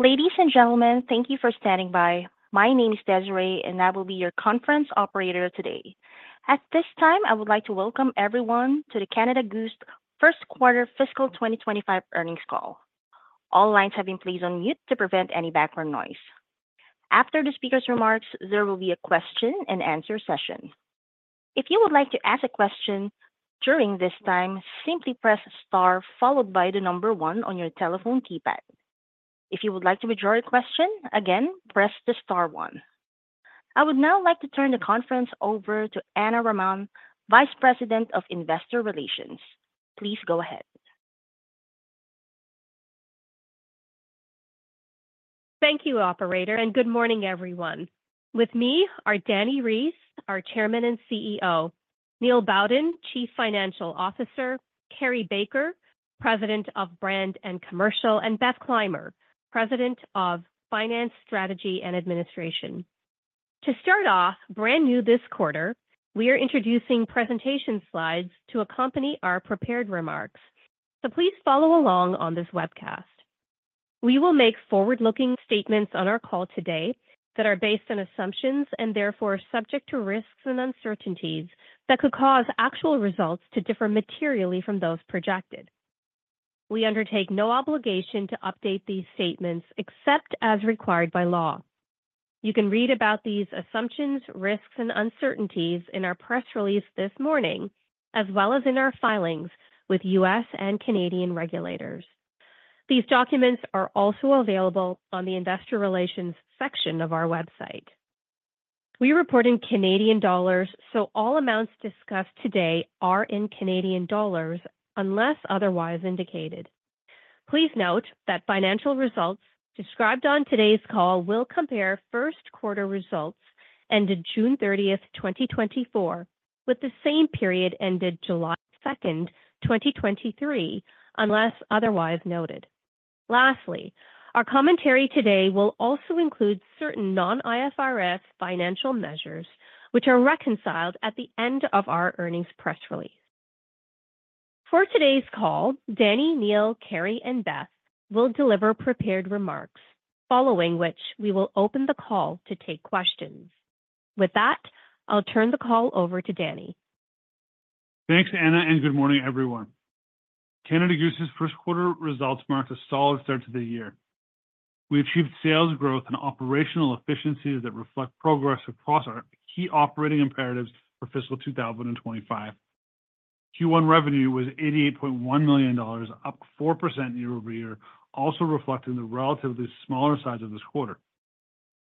Ladies and gentlemen, thank you for standing by. My name is Desiree, and I will be your conference operator today. At this time, I would like to welcome everyone to the Canada Goose first quarter fiscal 2025 earnings call. All lines have been placed on mute to prevent any background noise. After the speaker's remarks, there will be a question-and-answer session. If you would like to ask a question during this time, simply press star followed by the number one on your telephone keypad. If you would like to withdraw your question, again, press the star one. I would now like to turn the conference over to Ana Raman, Vice President of Investor Relations. Please go ahead. Thank you, Operator, and good morning, everyone. With me are Dani Reiss, our Chairman and CEO, Neil Bowden, Chief Financial Officer, Carrie Baker, President of Brand and Commercial, and Beth Clymer, President of Finance, Strategy, and Administration. To start off, brand new this quarter, we are introducing presentation slides to accompany our prepared remarks, so please follow along on this webcast. We will make forward-looking statements on our call today that are based on assumptions and therefore subject to risks and uncertainties that could cause actual results to differ materially from those projected. We undertake no obligation to update these statements except as required by law. You can read about these assumptions, risks, and uncertainties in our press release this morning, as well as in our filings with U.S. and Canadian regulators. These documents are also available on the Investor Relations section of our website. We report in Canadian dollars, so all amounts discussed today are in Canadian dollars unless otherwise indicated. Please note that financial results described on today's call will compare first quarter results ended June 30, 2024, with the same period ended July 2, 2023, unless otherwise noted. Lastly, our commentary today will also include certain non-IFRS financial measures, which are reconciled at the end of our earnings press release. For today's call, Dani, Neil, Carrie, and Beth will deliver prepared remarks, following which we will open the call to take questions. With that, I'll turn the call over to Dani. Thanks, Ana, and good morning, everyone. Canada Goose's first quarter results marked a solid start to the year. We achieved sales growth and operational efficiencies that reflect progress across our key operating imperatives for fiscal 2025. Q1 revenue was $88.1 million, up 4% year-over-year, also reflecting the relatively smaller size of this quarter.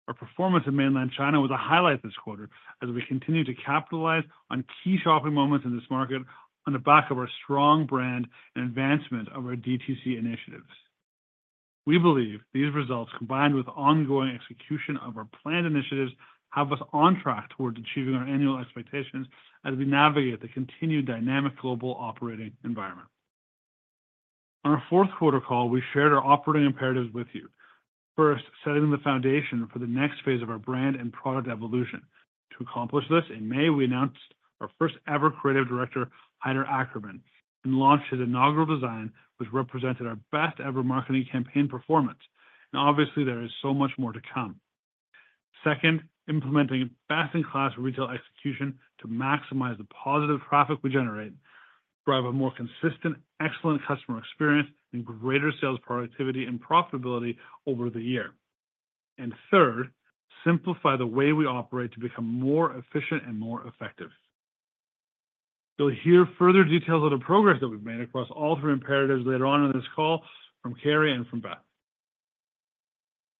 Our performance in Mainland China was a highlight this quarter as we continue to capitalize on key shopping moments in this market on the back of our strong brand and advancement of our DTC initiatives. We believe these results, combined with ongoing execution of our planned initiatives, have us on track towards achieving our annual expectations as we navigate the continued dynamic global operating environment. On our fourth quarter call, we shared our operating imperatives with you, first setting the foundation for the next phase of our brand and product evolution. To accomplish this, in May, we announced our first-ever Creative Director, Haider Ackermann, and launched his inaugural design, which represented our best-ever marketing campaign performance. And obviously, there is so much more to come. Second, implementing best-in-class retail execution to maximize the positive traffic we generate, drive a more consistent, excellent customer experience, and greater sales productivity and profitability over the year. And third, simplify the way we operate to become more efficient and more effective. You'll hear further details of the progress that we've made across all three imperatives later on in this call from Carrie and from Beth.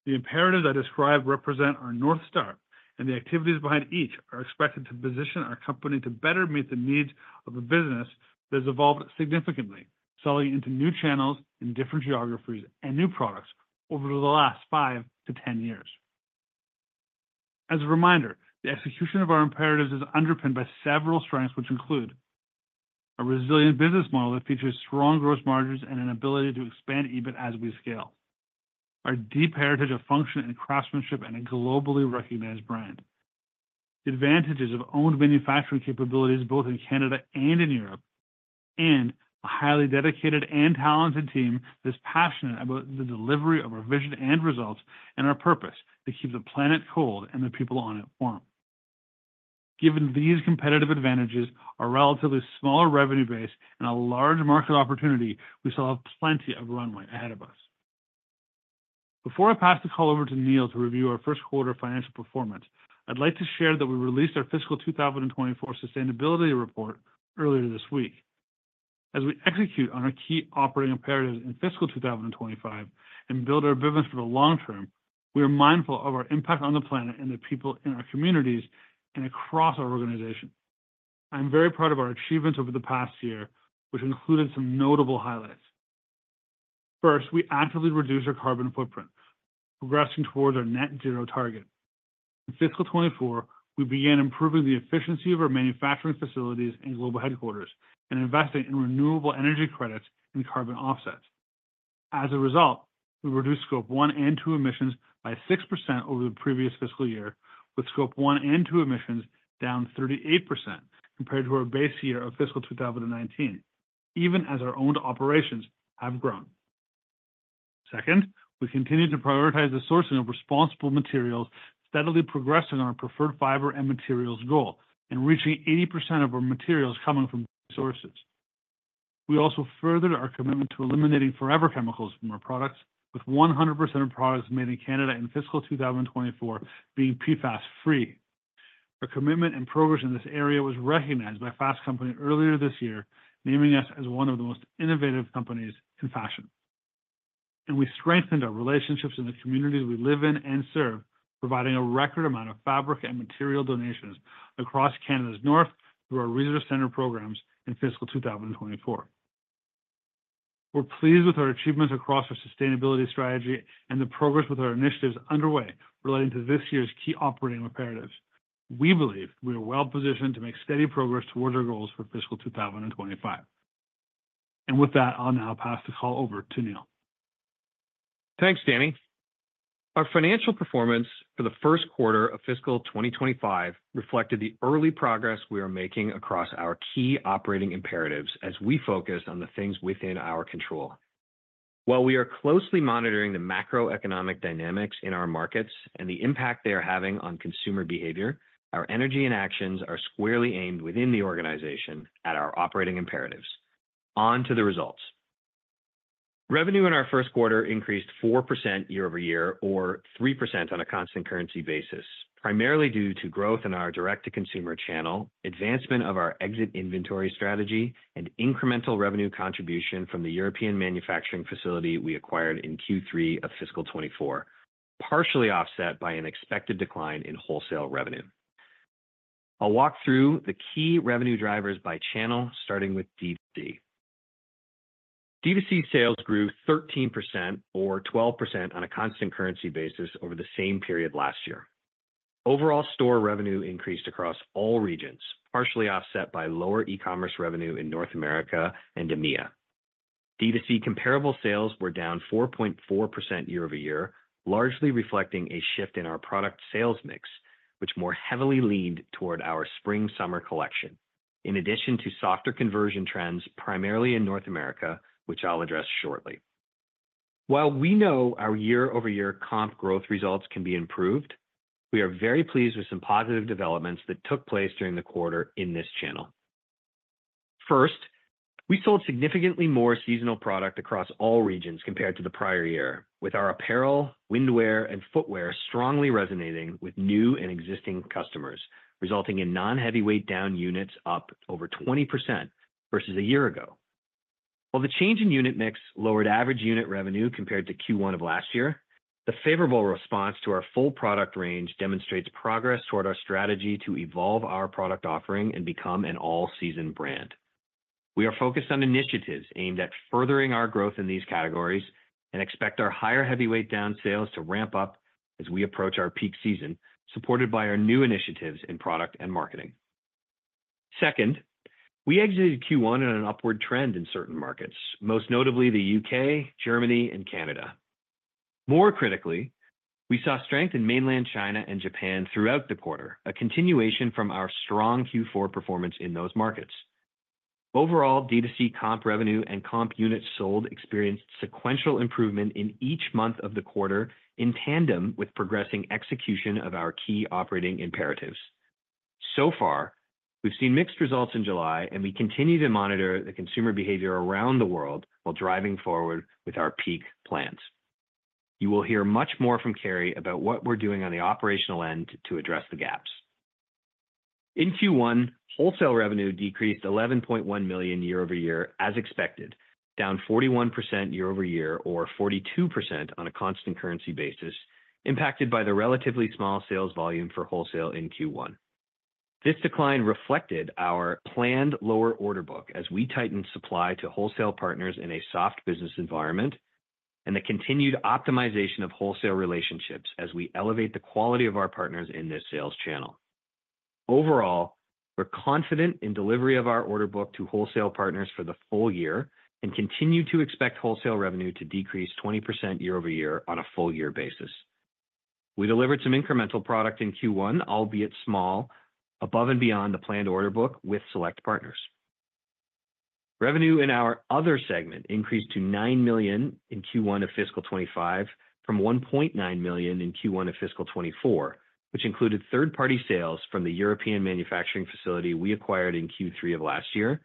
The imperatives I described represent our North Star, and the activities behind each are expected to position our company to better meet the needs of a business that has evolved significantly, selling into new channels in different geographies and new products over the last 5 to 10 years. As a reminder, the execution of our imperatives is underpinned by several strengths, which include a resilient business model that features strong gross margins and an ability to expand EBIT as we scale, our deep heritage of function and craftsmanship, and a globally recognized brand, the advantages of owned manufacturing capabilities both in Canada and in Europe, and a highly dedicated and talented team that is passionate about the delivery of our vision and results and our purpose to keep the planet cold and the people on it warm. Given these competitive advantages, our relatively smaller revenue base, and a large market opportunity, we still have plenty of runway ahead of us. Before I pass the call over to Neil to review our first quarter financial performance, I'd like to share that we released our fiscal 2024 sustainability report earlier this week. As we execute on our key operating imperatives in fiscal 2025 and build our business for the long term, we are mindful of our impact on the planet and the people in our communities and across our organization. I'm very proud of our achievements over the past year, which included some notable highlights. First, we actively reduced our carbon footprint, progressing towards our net zero target. In fiscal 2024, we began improving the efficiency of our manufacturing facilities and global headquarters and investing in renewable energy credits and carbon offsets. As a result, we reduced Scope 1 and 2 emissions by 6% over the previous fiscal year, with Scope 1 and 2 emissions down 38% compared to our base year of fiscal 2019, even as our owned operations have grown. Second, we continue to prioritize the sourcing of responsible materials, steadily progressing on our preferred fiber and materials goal and reaching 80% of our materials coming from sources. We also furthered our commitment to eliminating forever chemicals from our products, with 100% of products made in Canada in fiscal 2024 being PFAS-free. Our commitment and progress in this area was recognized by Fast Company earlier this year, naming us as one of the most innovative companies in fashion. We strengthened our relationships in the communities we live in and serve, providing a record amount of fabric and material donations across Canada's North through our Resource Centre programs in fiscal 2024. We're pleased with our achievements across our sustainability strategy and the progress with our initiatives underway relating to this year's key operating imperatives. We believe we are well positioned to make steady progress towards our goals for fiscal 2025. With that, I'll now pass the call over to Neil. Thanks, Dani. Our financial performance for the first quarter of fiscal 2025 reflected the early progress we are making across our key operating imperatives as we focus on the things within our control. While we are closely monitoring the macroeconomic dynamics in our markets and the impact they are having on consumer behavior, our energy and actions are squarely aimed within the organization at our operating imperatives. On to the results. Revenue in our first quarter increased 4% year-over-year, or 3% on a constant currency basis, primarily due to growth in our direct-to-consumer channel, advancement of our exit inventory strategy, and incremental revenue contribution from the European manufacturing facility we acquired in Q3 of fiscal 2024, partially offset by an expected decline in wholesale revenue. I'll walk through the key revenue drivers by channel, starting with DTC. DTC sales grew 13%, or 12% on a constant currency basis over the same period last year. Overall store revenue increased across all regions, partially offset by lower e-commerce revenue in North America and EMEA. DTC comparable sales were down 4.4% year-over-year, largely reflecting a shift in our product sales mix, which more heavily leaned toward our spring-summer collection, in addition to softer conversion trends primarily in North America, which I'll address shortly. While we know our year-over-year comp growth results can be improved, we are very pleased with some positive developments that took place during the quarter in this channel. First, we sold significantly more seasonal product across all regions compared to the prior year, with our apparel, rainwear, and footwear strongly resonating with new and existing customers, resulting in non-heavyweight down units up over 20% versus a year ago. While the change in unit mix lowered average unit revenue compared to Q1 of last year, the favorable response to our full product range demonstrates progress toward our strategy to evolve our product offering and become an all-season brand. We are focused on initiatives aimed at furthering our growth in these categories and expect our higher heavyweight down sales to ramp up as we approach our peak season, supported by our new initiatives in product and marketing. Second, we exited Q1 in an upward trend in certain markets, most notably the U.K., Germany, and Canada. More critically, we saw strength in Mainland China and Japan throughout the quarter, a continuation from our strong Q4 performance in those markets. Overall, DTC comp revenue and comp units sold experienced sequential improvement in each month of the quarter in tandem with progressing execution of our key operating imperatives. So far, we've seen mixed results in July, and we continue to monitor the consumer behavior around the world while driving forward with our peak plans. You will hear much more from Carrie about what we're doing on the operational end to address the gaps. In Q1, wholesale revenue decreased 11.1 million year-over-year, as expected, down 41% year-over-year, or 42% on a constant currency basis, impacted by the relatively small sales volume for wholesale in Q1. This decline reflected our planned lower order book as we tightened supply to wholesale partners in a soft business environment and the continued optimization of wholesale relationships as we elevate the quality of our partners in this sales channel. Overall, we're confident in delivery of our order book to wholesale partners for the full year and continue to expect wholesale revenue to decrease 20% year-over-year on a full-year basis. We delivered some incremental product in Q1, albeit small, above and beyond the planned order book with select partners. Revenue in our other segment increased to 9 million in Q1 of fiscal 2025 from 1.9 million in Q1 of fiscal 2024, which included third-party sales from the European manufacturing facility we acquired in Q3 of last year,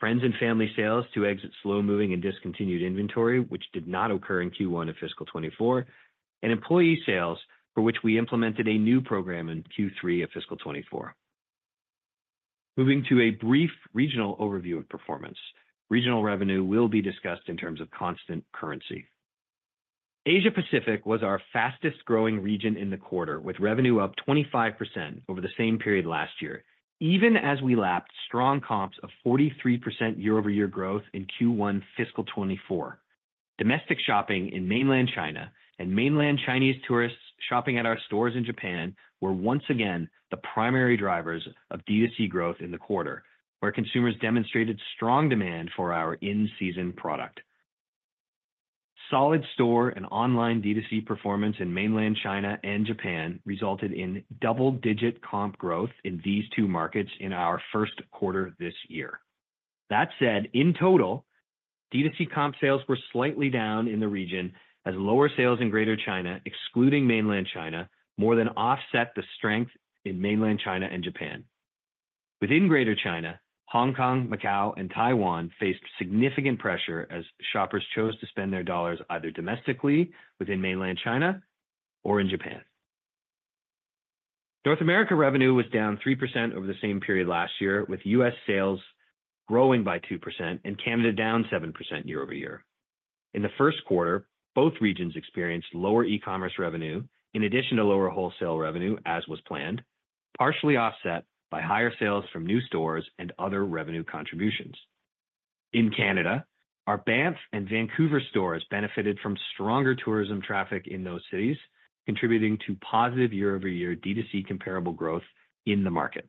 friends and family sales to exit slow-moving and discontinued inventory, which did not occur in Q1 of fiscal 2024, and employee sales for which we implemented a new program in Q3 of fiscal 2024. Moving to a brief regional overview of performance, regional revenue will be discussed in terms of constant currency. Asia-Pacific was our fastest-growing region in the quarter, with revenue up 25% over the same period last year, even as we lapped strong comps of 43% year-over-year growth in Q1 fiscal 2024. Domestic shopping in Mainland China and mainland Chinese tourists shopping at our stores in Japan were once again the primary drivers of DTC growth in the quarter, where consumers demonstrated strong demand for our in-season product. Solid store and online DTC performance in Mainland China and Japan resulted in double-digit comp growth in these two markets in our first quarter this year. That said, in total, DTC comp sales were slightly down in the region as lower sales in Greater China, excluding Mainland China, more than offset the strength in Mainland China and Japan. Within Greater China, Hong Kong, Macau, and Taiwan faced significant pressure as shoppers chose to spend their dollars either domestically within Mainland China or in Japan. North America revenue was down 3% over the same period last year, with US sales growing by 2% and Canada down 7% year-over-year. In the first quarter, both regions experienced lower e-commerce revenue in addition to lower wholesale revenue, as was planned, partially offset by higher sales from new stores and Other revenue contributions. In Canada, our Banff and Vancouver stores benefited from stronger tourism traffic in those cities, contributing to positive year-over-year DTC comparable growth in the market.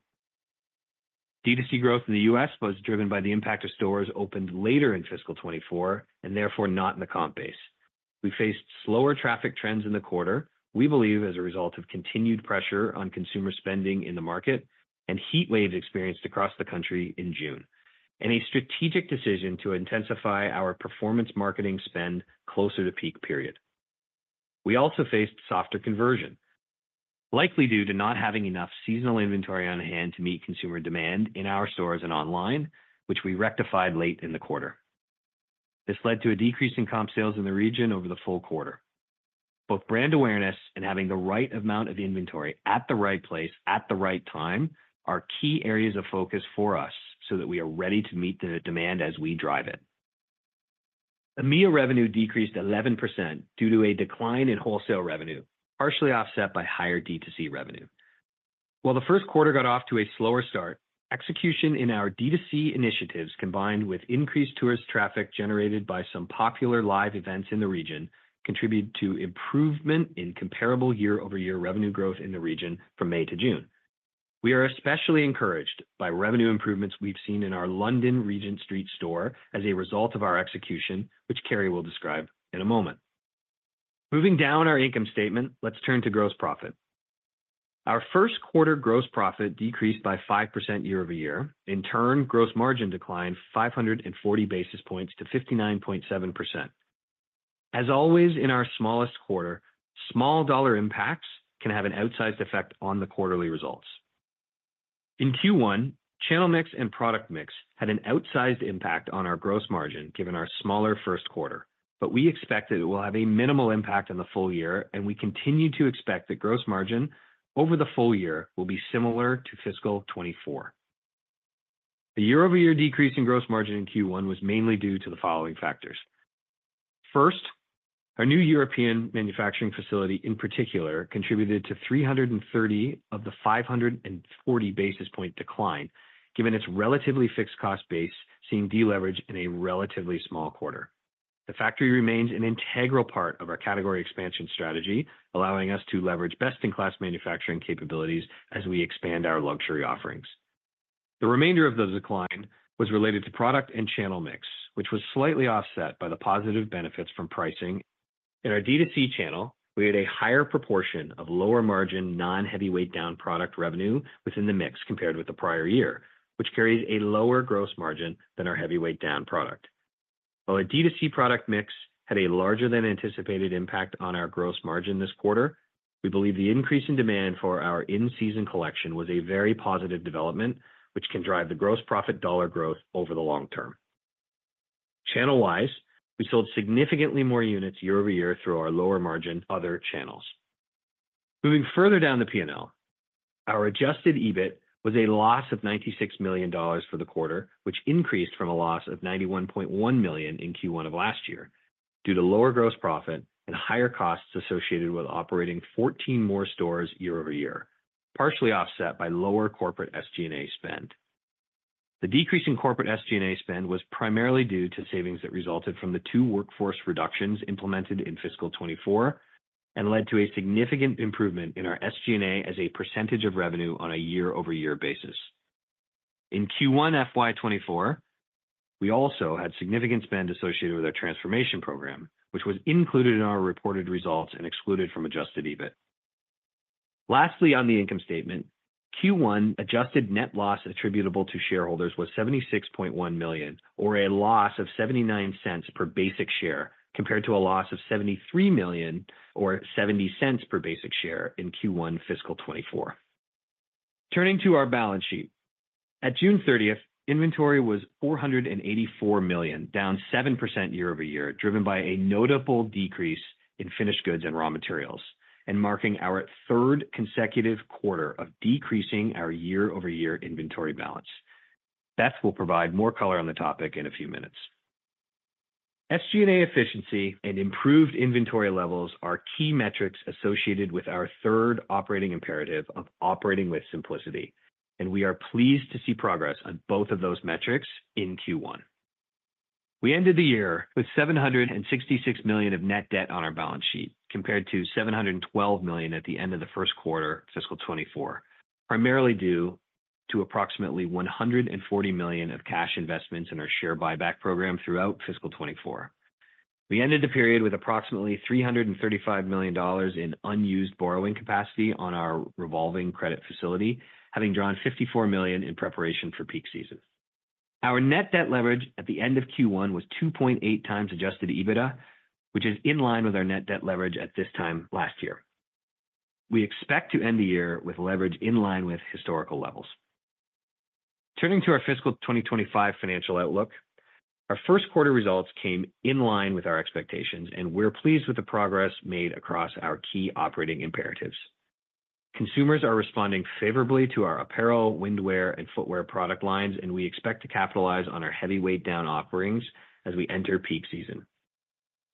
DTC growth in the US was driven by the impact of stores opened later in fiscal 2024 and therefore not in the comp base. We faced slower traffic trends in the quarter, we believe, as a result of continued pressure on consumer spending in the market and heat waves experienced across the country in June, and a strategic decision to intensify our performance marketing spend closer to peak period. We also faced softer conversion, likely due to not having enough seasonal inventory on hand to meet consumer demand in our stores and online, which we rectified late in the quarter. This led to a decrease in comp sales in the region over the full quarter. Both brand awareness and having the right amount of inventory at the right place at the right time are key areas of focus for us so that we are ready to meet the demand as we drive it. EMEA revenue decreased 11% due to a decline in wholesale revenue, partially offset by higher DTC revenue. While the first quarter got off to a slower start, execution in our DTC initiatives combined with increased tourist traffic generated by some popular live events in the region contributed to improvement in comparable year-over-year revenue growth in the region from May to June. We are especially encouraged by revenue improvements we've seen in our London Regent Street store as a result of our execution, which Carrie will describe in a moment. Moving down our income statement, let's turn to gross profit. Our first quarter gross profit decreased by 5% year-over-year. In turn, gross margin declined 540 basis points to 59.7%. As always in our smallest quarter, small dollar impacts can have an outsized effect on the quarterly results. In Q1, channel mix and product mix had an outsized impact on our gross margin given our smaller first quarter, but we expect that it will have a minimal impact on the full year, and we continue to expect that gross margin over the full year will be similar to fiscal 2024. A year-over-year decrease in gross margin in Q1 was mainly due to the following factors. First, our new European manufacturing facility in particular contributed to 330 of the 540 basis point decline, given its relatively fixed cost base seen deleveraged in a relatively small quarter. The factory remains an integral part of our category expansion strategy, allowing us to leverage best-in-class manufacturing capabilities as we expand our luxury offerings. The remainder of the decline was related to product and channel mix, which was slightly offset by the positive benefits from pricing. In our DTC channel, we had a higher proportion of lower margin non-heavyweight down product revenue within the mix compared with the prior year, which carries a lower gross margin than our heavyweight down product. While a DTC product mix had a larger-than-anticipated impact on our gross margin this quarter, we believe the increase in demand for our in-season collection was a very positive development, which can drive the gross profit dollar growth over the long term. Channel-wise, we sold significantly more units year-over-year through our lower margin Other channels. Moving further down the P&L, our Adjusted EBIT was a loss of $96 million for the quarter, which increased from a loss of $91.1 million in Q1 of last year due to lower gross profit and higher costs associated with operating 14 more stores year-over-year, partially offset by lower corporate SG&A spend. The decrease in corporate SG&A spend was primarily due to savings that resulted from the two workforce reductions implemented in fiscal 2024 and led to a significant improvement in our SG&A as a percentage of revenue on a year-over-year basis. In Q1 FY2024, we also had significant spend associated with our transformation program, which was included in our reported results and excluded from adjusted EBIT. Lastly, on the income statement, Q1 Adjusted Net Loss attributable to shareholders was $76.1 million, or a loss of $0.79 per basic share compared to a loss of $73 million, or $0.70 per basic share in Q1 fiscal 2024. Turning to our balance sheet, at June 30th, inventory was $484 million, down 7% year-over-year, driven by a notable decrease in finished goods and raw materials, and marking our third consecutive quarter of decreasing our year-over-year inventory balance. Beth will provide more color on the topic in a few minutes. SG&A efficiency and improved inventory levels are key metrics associated with our third operating imperative of operating with simplicity, and we are pleased to see progress on both of those metrics in Q1. We ended the year with $766 million of net debt on our balance sheet compared to $712 million at the end of the first quarter of fiscal 2024, primarily due to approximately $140 million of cash investments in our share buyback program throughout fiscal 2024. We ended the period with approximately $335 million in unused borrowing capacity on our revolving credit facility, having drawn $54 million in preparation for peak season. Our net debt leverage at the end of Q1 was 2.8 times Adjusted EBITDA, which is in line with our net debt leverage at this time last year. We expect to end the year with leverage in line with historical levels. Turning to our fiscal 2025 financial outlook, our first quarter results came in line with our expectations, and we're pleased with the progress made across our key operating imperatives. Consumers are responding favorably to our apparel, rainwear, and footwear product lines, and we expect to capitalize on our heavyweight down offerings as we enter peak season.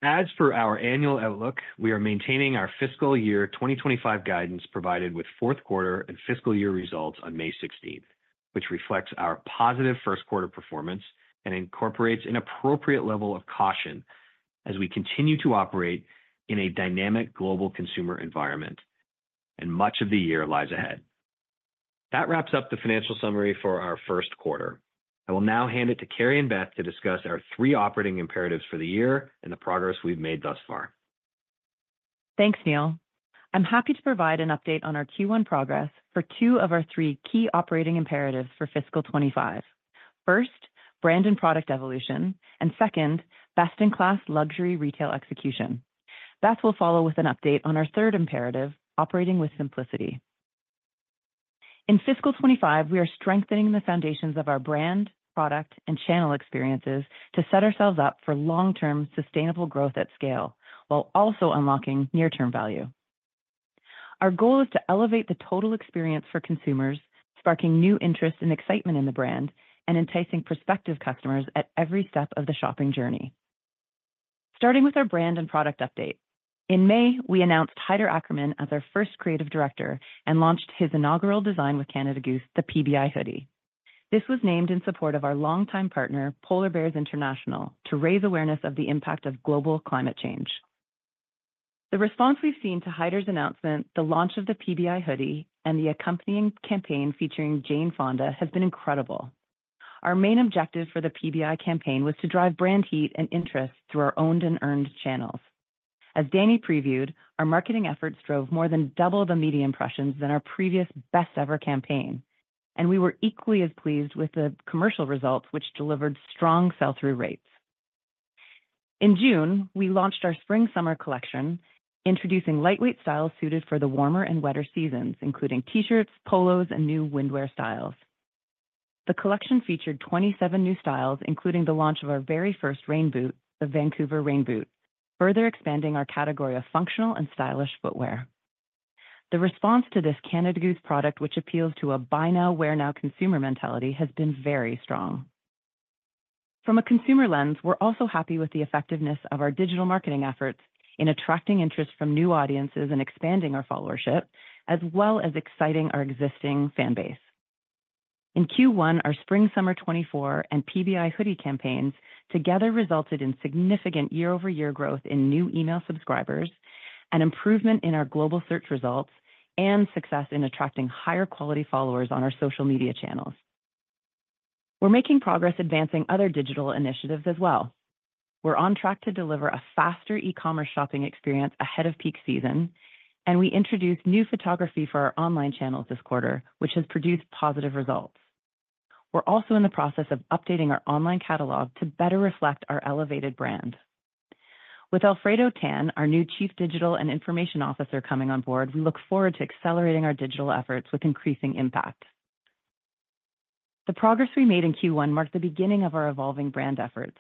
As for our annual outlook, we are maintaining our fiscal year 2025 guidance provided with fourth quarter and fiscal year results on May 16th, which reflects our positive first quarter performance and incorporates an appropriate level of caution as we continue to operate in a dynamic global consumer environment, and much of the year lies ahead. That wraps up the financial summary for our first quarter. I will now hand it to Carrie and Beth to discuss our three operating imperatives for the year and the progress we've made thus far. Thanks, Neil. I'm happy to provide an update on our Q1 progress for two of our three key operating imperatives for fiscal 2025. First, brand and product evolution, and second, best-in-class luxury retail execution. Beth will follow with an update on our third imperative, operating with simplicity. In fiscal 2025, we are strengthening the foundations of our brand, product, and channel experiences to set ourselves up for long-term sustainable growth at scale while also unlocking near-term value. Our goal is to elevate the total experience for consumers, sparking new interest and excitement in the brand and enticing prospective customers at every step of the shopping journey. Starting with our brand and product update, in May, we announced Haider Ackermann as our first creative director and launched his inaugural design with Canada Goose, the PBI Hoodie. This was named in support of our longtime partner, Polar Bears International, to raise awareness of the impact of global climate change. The response we've seen to Haider's announcement, the launch of the PBI Hoodie, and the accompanying campaign featuring Jane Fonda have been incredible. Our main objective for the PBI campaign was to drive brand heat and interest through our owned and earned channels. As Dani previewed, our marketing efforts drove more than double the media impressions than our previous best-ever campaign, and we were equally as pleased with the commercial results, which delivered strong sell-through rates. In June, we launched our spring-summer collection, introducing lightweight styles suited for the warmer and wetter seasons, including t-shirts, polos, and new windwear styles. The collection featured 27 new styles, including the launch of our very first rain boot, the Vancouver Rain Boot, further expanding our category of functional and stylish footwear. The response to this Canada Goose product, which appeals to a buy-now, wear-now consumer mentality, has been very strong. From a consumer lens, we're also happy with the effectiveness of our digital marketing efforts in attracting interest from new audiences and expanding our followership, as well as exciting our existing fanbase. In Q1, our spring-summer 2024 and PBI Hoodie campaigns together resulted in significant year-over-year growth in new email subscribers, an improvement in our global search results, and success in attracting higher quality followers on our social media channels. We're making progress advancing Other digital initiatives as well. We're on track to deliver a faster e-commerce shopping experience ahead of peak season, and we introduced new photography for our online channels this quarter, which has produced positive results. We're also in the process of updating our online catalog to better reflect our elevated brand. With Alfredo Tan, our new Chief Digital and Information Officer coming on board, we look forward to accelerating our digital efforts with increasing impact. The progress we made in Q1 marked the beginning of our evolving brand efforts.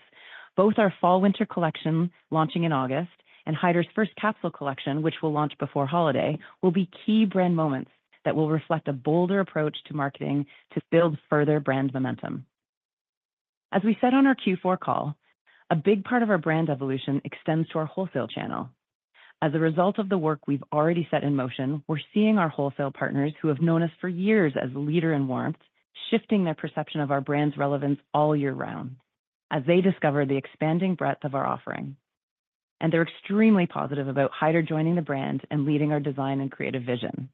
Both our fall-winter collection, launching in August, and Haider's first capsule collection, which will launch before holiday, will be key brand moments that will reflect a bolder approach to marketing to build further brand momentum. As we said on our Q4 call, a big part of our brand evolution extends to our wholesale channel. As a result of the work we've already set in motion, we're seeing our wholesale partners, who have known us for years as leader and warmth, shifting their perception of our brand's relevance all year round as they discover the expanding breadth of our offering. And they're extremely positive about Haider joining the brand and leading our design and creative vision.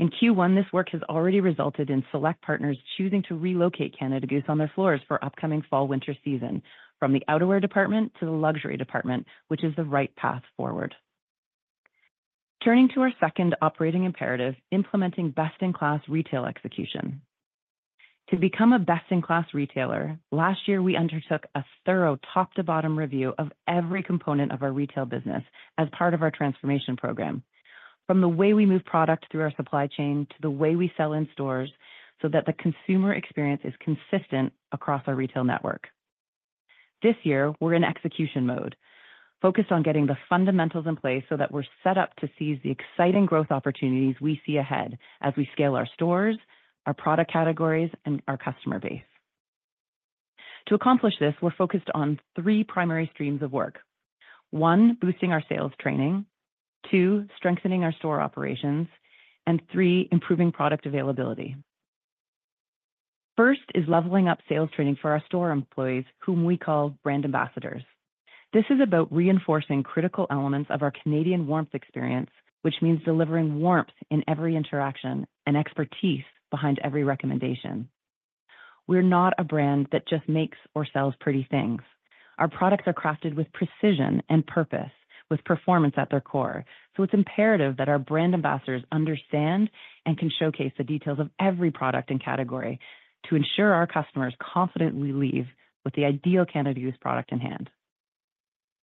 In Q1, this work has already resulted in select partners choosing to relocate Canada Goose on their floors for upcoming fall-winter season, from the outerwear department to the luxury department, which is the right path forward. Turning to our second operating imperative, implementing best-in-class retail execution. To become a best-in-class retailer, last year we undertook a thorough top-to-bottom review of every component of our retail business as part of our transformation program, from the way we move product through our supply chain to the way we sell in stores so that the consumer experience is consistent across our retail network. This year, we're in execution mode, focused on getting the fundamentals in place so that we're set up to seize the exciting growth opportunities we see ahead as we scale our stores, our product categories, and our customer base. To accomplish this, we're focused on three primary streams of work: one, boosting our sales training, two, strengthening our store operations, and three, improving product availability. First is leveling up sales training for our store employees, whom we call Brand Ambassadors. This is about reinforcing critical elements of our Canadian warmth experience, which means delivering warmth in every interaction and expertise behind every recommendation. We're not a brand that just makes or sells pretty things. Our products are crafted with precision and purpose, with performance at their core. So it's imperative that our Brand Ambassadors understand and can showcase the details of every product and category to ensure our customers confidently leave with the ideal Canada Goose product in hand.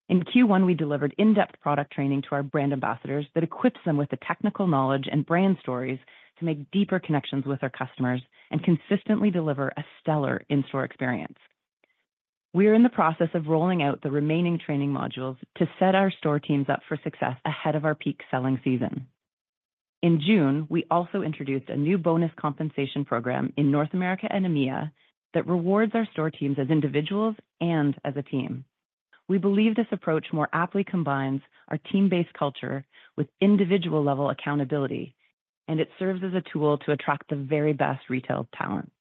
In Q1, we delivered in-depth product training to our Brand Ambassadors that equips them with the technical knowledge and brand stories to make deeper connections with our customers and consistently deliver a stellar in-store experience. We are in the process of rolling out the remaining training modules to set our store teams up for success ahead of our peak selling season. In June, we also introduced a new bonus compensation program in North America and EMEA that rewards our store teams as individuals and as a team. We believe this approach more aptly combines our team-based culture with individual-level accountability, and it serves as a tool to attract the very best retail talent.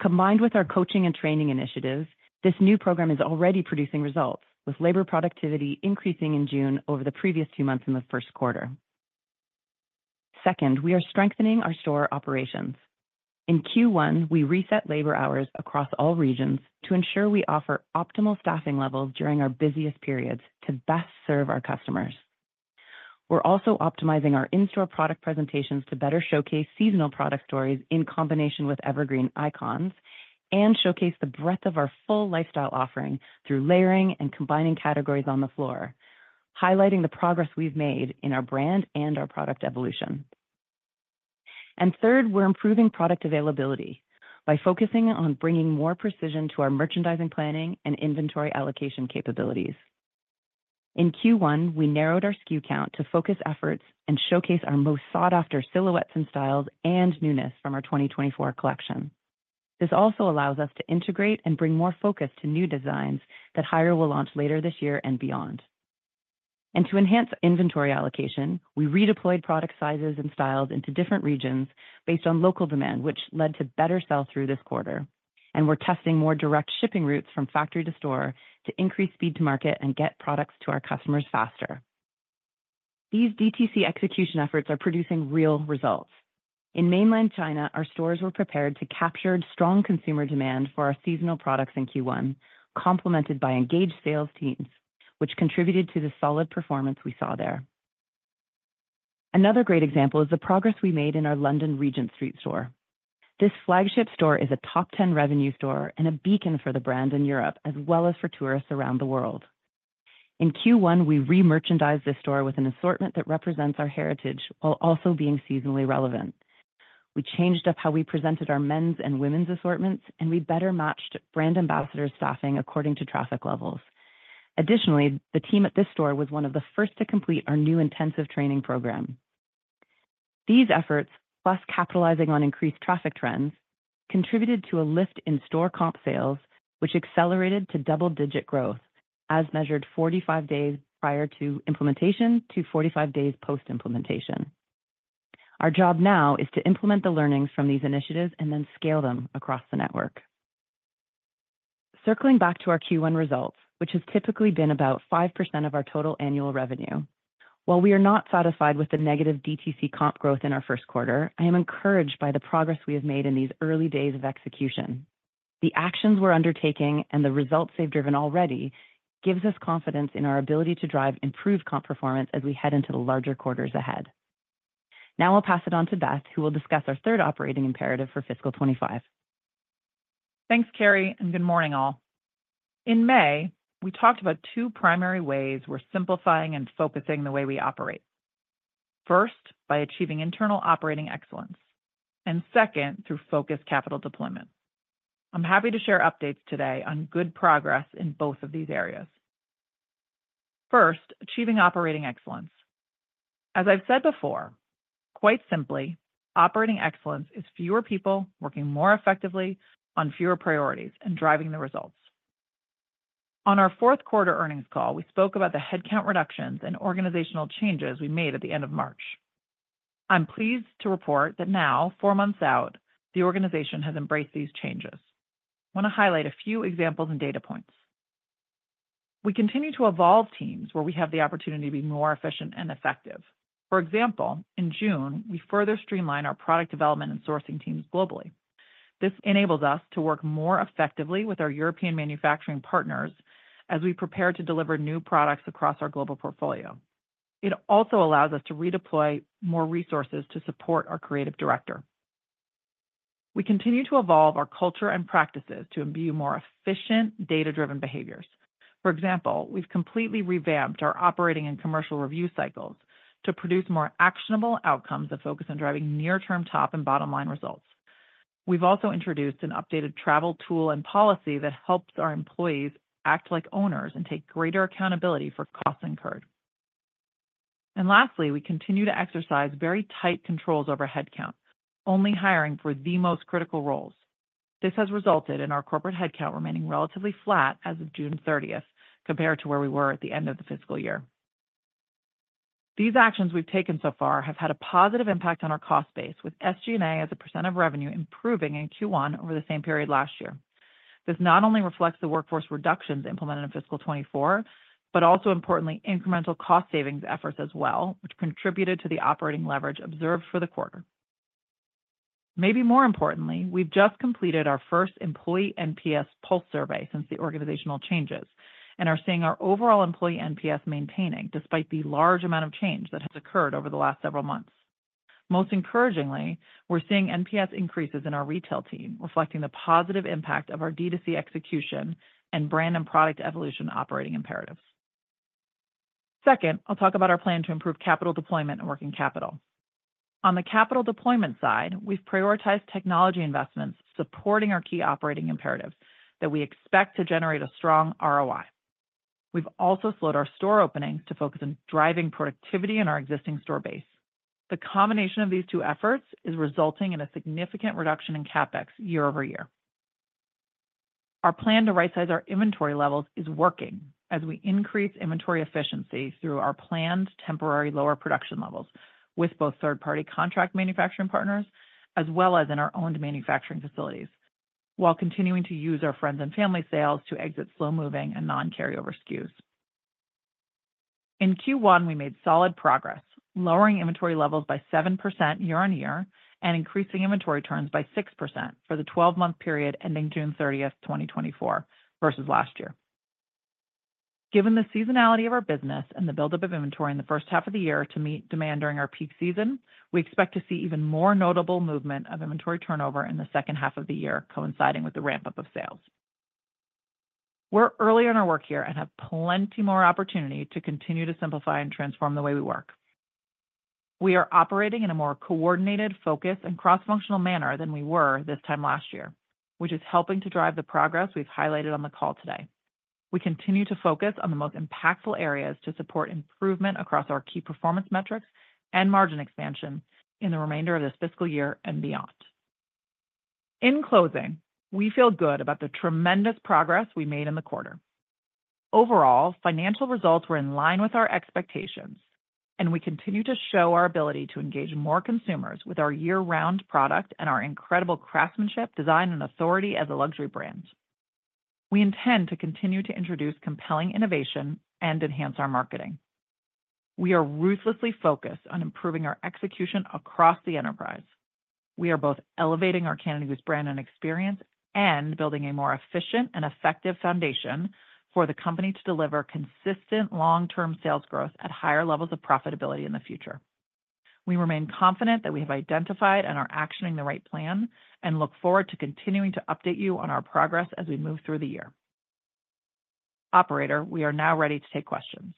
Combined with our coaching and training initiatives, this new program is already producing results, with labor productivity increasing in June over the previous two months in the first quarter. Second, we are strengthening our store operations. In Q1, we reset labor hours across all regions to ensure we offer optimal staffing levels during our busiest periods to best serve our customers. We're also optimizing our in-store product presentations to better showcase seasonal product stories in combination with evergreen icons and showcase the breadth of our full lifestyle offering through layering and combining categories on the floor, highlighting the progress we've made in our brand and our product evolution. And third, we're improving product availability by focusing on bringing more precision to our merchandising planning and inventory allocation capabilities. In Q1, we narrowed our SKU count to focus efforts and showcase our most sought-after silhouettes and styles and newness from our 2024 collection. This also allows us to integrate and bring more focus to new designs that Haider will launch later this year and beyond. And to enhance inventory allocation, we redeployed product sizes and styles into different regions based on local demand, which led to better sell-through this quarter. We're testing more direct shipping routes from factory to store to increase speed to market and get products to our customers faster. These DTC execution efforts are producing real results. In Mainland China, our stores were prepared to capture strong consumer demand for our seasonal products in Q1, complemented by engaged sales teams, which contributed to the solid performance we saw there. Another great example is the progress we made in our London Regent Street store. This flagship store is a top-10 revenue store and a beacon for the brand in Europe, as well as for tourists around the world. In Q1, we re-merchandised this store with an assortment that represents our heritage while also being seasonally relevant. We changed up how we presented our men's and women's assortments, and we better matched brand ambassador staffing according to traffic levels. Additionally, the team at this store was one of the first to complete our new intensive training program. These efforts, plus capitalizing on increased traffic trends, contributed to a lift in store comp sales, which accelerated to double-digit growth as measured 45 days prior to implementation to 45 days post-implementation. Our job now is to implement the learnings from these initiatives and then scale them across the network. Circling back to our Q1 results, which has typically been about 5% of our total annual revenue, while we are not satisfied with the negative DTC comp growth in our first quarter, I am encouraged by the progress we have made in these early days of execution. The actions we're undertaking and the results they've driven already give us confidence in our ability to drive improved comp performance as we head into the larger quarters ahead. Now I'll pass it on to Beth, who will discuss our third operating imperative for fiscal 2025. Thanks, Carrie, and good morning, all. In May, we talked about two primary ways we're simplifying and focusing the way we operate. First, by achieving internal operating excellence, and second, through focused capital deployment. I'm happy to share updates today on good progress in both of these areas. First, achieving operating excellence. As I've said before, quite simply, operating excellence is fewer people working more effectively on fewer priorities and driving the results. On our fourth quarter earnings call, we spoke about the headcount reductions and organizational changes we made at the end of March. I'm pleased to report that now, four months out, the organization has embraced these changes. I want to highlight a few examples and data points. We continue to evolve teams where we have the opportunity to be more efficient and effective. For example, in June, we further streamlined our product development and sourcing teams globally. This enables us to work more effectively with our European manufacturing partners as we prepare to deliver new products across our global portfolio. It also allows us to redeploy more resources to support our creative director. We continue to evolve our culture and practices to imbue more efficient data-driven behaviors. For example, we've completely revamped our operating and commercial review cycles to produce more actionable outcomes that focus on driving near-term top and bottom-line results. We've also introduced an updated travel tool and policy that helps our employees act like owners and take greater accountability for costs incurred. And lastly, we continue to exercise very tight controls over headcount, only hiring for the most critical roles. This has resulted in our corporate headcount remaining relatively flat as of June 30th compared to where we were at the end of the fiscal year. These actions we've taken so far have had a positive impact on our cost base, with SG&A as a percent of revenue improving in Q1 over the same period last year. This not only reflects the workforce reductions implemented in fiscal 2024, but also, importantly, incremental cost savings efforts as well, which contributed to the operating leverage observed for the quarter. Maybe more importantly, we've just completed our first employee NPS pulse survey since the organizational changes and are seeing our overall employee NPS maintaining despite the large amount of change that has occurred over the last several months. Most encouragingly, we're seeing NPS increases in our retail team, reflecting the positive impact of our DTC execution and brand and product evolution operating imperatives. Second, I'll talk about our plan to improve capital deployment and working capital. On the capital deployment side, we've prioritized technology investments supporting our key operating imperatives that we expect to generate a strong ROI. We've also slowed our store openings to focus on driving productivity in our existing store base. The combination of these two efforts is resulting in a significant reduction in CapEx year-over-year. Our plan to right-size our inventory levels is working as we increase inventory efficiency through our planned temporary lower production levels with both third-party contract manufacturing partners as well as in our owned manufacturing facilities, while continuing to use our friends and family sales to exit slow-moving and non-carryover SKUs. In Q1, we made solid progress, lowering inventory levels by 7% year-over-year and increasing inventory turns by 6% for the 12-month period ending June 30th, 2024, versus last year. Given the seasonality of our business and the buildup of inventory in the first half of the year to meet demand during our peak season, we expect to see even more notable movement of inventory turnover in the second half of the year, coinciding with the ramp-up of sales. We're early on our work here and have plenty more opportunity to continue to simplify and transform the way we work. We are operating in a more coordinated, focused, and cross-functional manner than we were this time last year, which is helping to drive the progress we've highlighted on the call today. We continue to focus on the most impactful areas to support improvement across our key performance metrics and margin expansion in the remainder of this fiscal year and beyond. In closing, we feel good about the tremendous progress we made in the quarter. Overall, financial results were in line with our expectations, and we continue to show our ability to engage more consumers with our year-round product and our incredible craftsmanship, design, and authority as a luxury brand. We intend to continue to introduce compelling innovation and enhance our marketing. We are ruthlessly focused on improving our execution across the enterprise. We are both elevating our Canada Goose brand and experience and building a more efficient and effective foundation for the company to deliver consistent long-term sales growth at higher levels of profitability in the future. We remain confident that we have identified and are actioning the right plan and look forward to continuing to update you on our progress as we move through the year. Operator, we are now ready to take questions.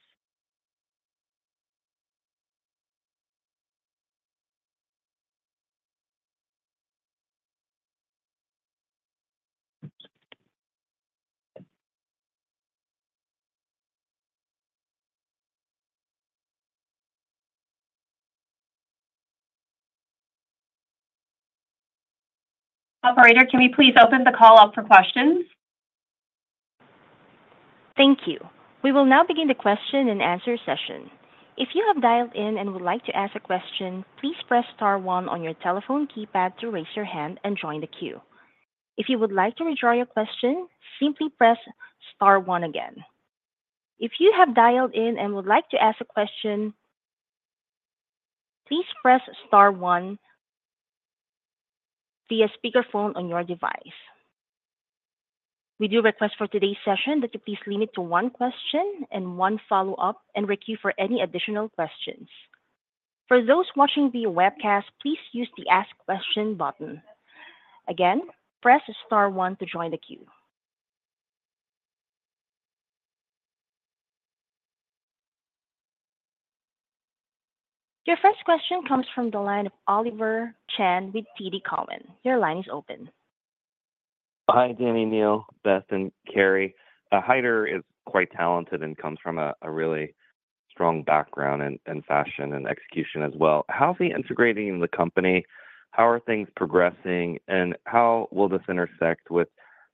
Operator, can we please open the call up for questions? Thank you. We will now begin the question and answer session. If you have dialed in and would like to ask a question, please press Star 1 on your telephone keypad to raise your hand and join the queue. If you would like to withdraw your question, simply press Star 1 again. If you have dialed in and would like to ask a question, please press Star 1 via speakerphone on your device. We do request for today's session that you please limit to one question and one follow-up and requeue for any additional questions. For those watching via webcast, please use the Ask Question button. Again, press Star 1 to join the queue. Your first question comes from the line of Oliver Chen with TD Cowen. Your line is open. Hi, Dani, Neil, Beth, and Carrie. Haider is quite talented and comes from a really strong background in fashion and execution as well. How's he integrating in the company? How are things progressing? And how will this intersect with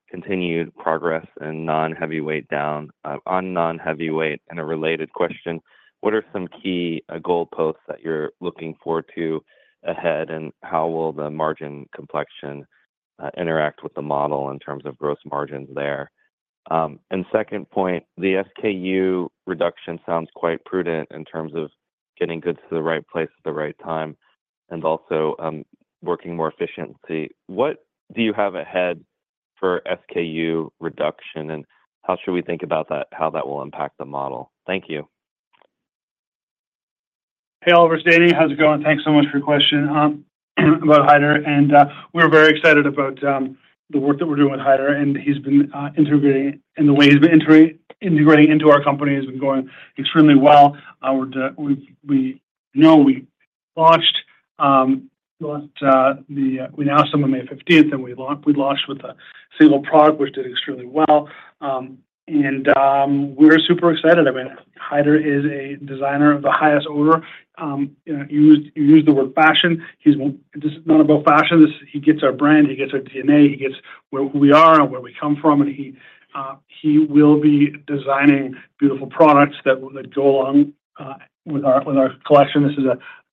continued progress in non-heavyweight down on non-heavyweight? And a related question, what are some key goalposts that you're looking forward to ahead? And how will the margin complexion interact with the model in terms of gross margins there? And second point, the SKU reduction sounds quite prudent in terms of getting goods to the right place at the right time and also working more efficiently. What do you have ahead for SKU reduction? And how should we think about that, how that will impact the model? Thank you. Hey, Oliver, Dani, how's it going? Thanks so much for your question about Haider. And we're very excited about the work that we're doing with Haider. And he's been integrating in the way he's been integrating into our company has been going extremely well. We know we launched, but we announced them on May 15th, and we launched with a single product, which did extremely well. And we're super excited. I mean, Haider is a designer of the highest order. You used the word fashion. This is not about fashion. He gets our brand. He gets our DNA. He gets where we are and where we come from. And he will be designing beautiful products that go along with our collection. This is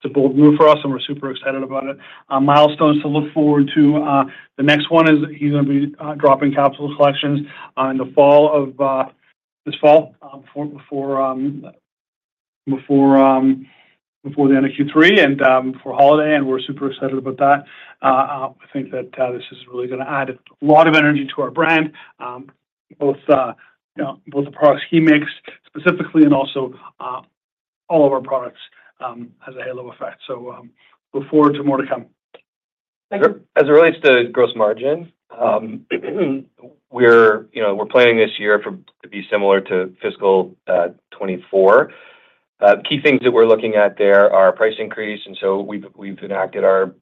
a bold move for us, and we're super excited about it. Milestones to look forward to. The next one is he's going to be dropping capsule collections in the fall of this fall before the end of Q3 and for holiday. And we're super excited about that. I think that this is really going to add a lot of energy to our brand, both the products he makes specifically and also all of our products as a halo effect. So look forward to more to come. As it relates to gross margin, we're planning this year to be similar to fiscal 2024. Key things that we're looking at there are price increase. And so we've enacted our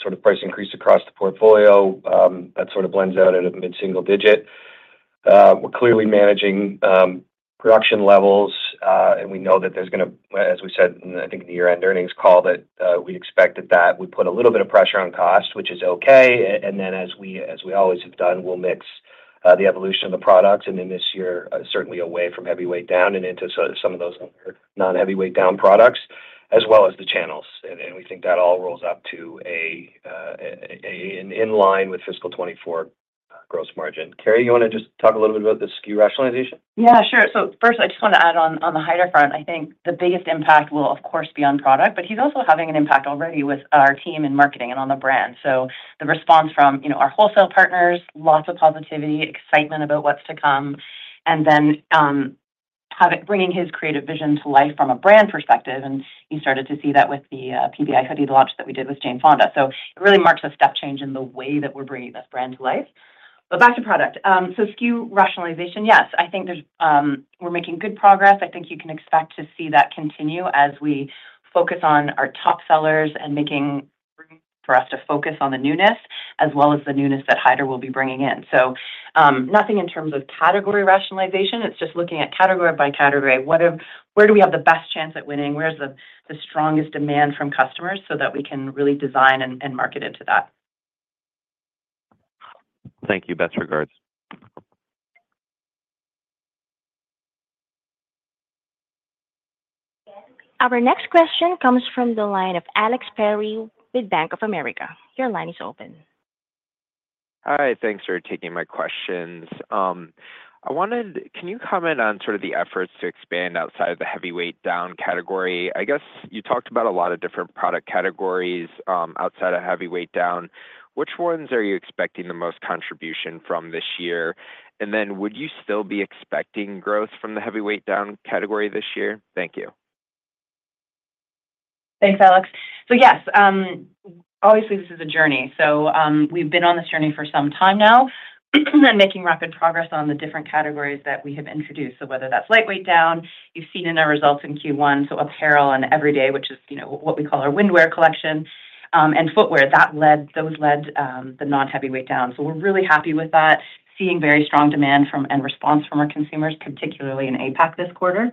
sort of price increase across the portfolio. That sort of blends out at a mid-single digit. We're clearly managing production levels, and we know that there's going to, as we said, I think in the year-end earnings call that we expected that we put a little bit of pressure on cost, which is okay. And then, as we always have done, we'll mix the evolution of the products. And then this year, certainly away from heavyweight down and into some of those non-heavyweight down products, as well as the channels. We think that all rolls up to in line with fiscal 2024 gross margin. Carrie, you want to just talk a little bit about the SKU rationalization? Yeah, sure. First, I just want to add on the Haider front. I think the biggest impact will, of course, be on product, but he's also having an impact already with our team in marketing and on the brand. So the response from our wholesale partners, lots of positivity, excitement about what's to come, and then bringing his creative vision to life from a brand perspective. And he started to see that with the PBI Hoodie launch that we did with Jane Fonda. So it really marks a step change in the way that we're bringing this brand to life. But back to product. So SKU rationalization, yes, I think we're making good progress. I think you can expect to see that continue as we focus on our top sellers and making room for us to focus on the newness as well as the newness that Haider will be bringing in. So nothing in terms of category rationalization. It's just looking at category by category. Where do we have the best chance at winning? Where's the strongest demand from customers so that we can really design and market into that? Thank you. Best regards. Our next question comes from the line of Alex Perry with Bank of America. Your line is open. All right. Thanks for taking my questions. Can you comment on sort of the efforts to expand outside of the heavyweight down category? I guess you talked about a lot of different product categories outside of heavyweight down. Which ones are you expecting the most contribution from this year? And then would you still be expecting growth from the heavyweight down category this year? Thank you. Thanks, Alex. So yes, obviously, this is a journey. So we've been on this journey for some time now and making rapid progress on the different categories that we have introduced. So whether that's lightweight down, you've seen in our results in Q1, so apparel and everyday, which is what we call our rainwear collection, and footwear, those led the non-heavyweight down. So we're really happy with that, seeing very strong demand and response from our consumers, particularly in APAC this quarter.